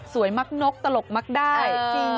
สวยมักนกตลกมักได้